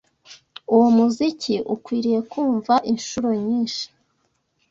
Uwo muziki ukwiriye kumva inshuro nyinshi.